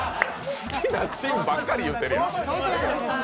好きなシーンばっかり言ってるやん。